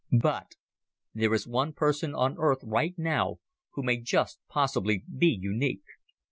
But there is one person on Earth right now who may just possibly be unique.